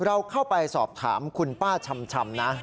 เราเข้าไปสอบถามคุณป้าชำนะ